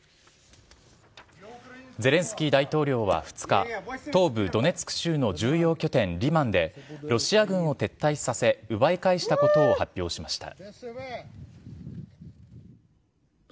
ゼレンスキー大統領は２日、東部ドネツク州の重要拠点リマンで、ロシア軍を撤退させ、奪い返したことを発表しました。